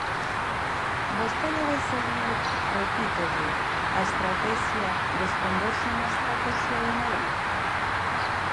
¿Vostede vai seguir –repítolle– a estratexia de esconderse na estratexia de Madrid?